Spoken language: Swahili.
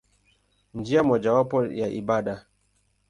Njia mojawapo ya ibada.